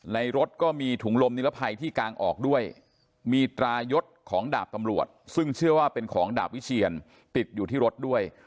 รถก็มีถุงลมนิรภัยที่กางออกด้วยมีตายศของดาบตำรวจซึ่งเชื่อว่าเป็นของดาบวิเชียนติดอยู่ที่รถด้วย